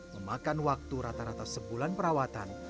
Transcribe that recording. memakan waktu rata rata sebulan perawatan